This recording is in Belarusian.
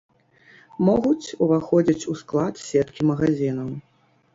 Могуць уваходзіць у склад сеткі магазінаў.